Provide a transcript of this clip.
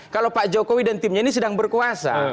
kalau pak jokowi dan timnya ini sedang berkuasa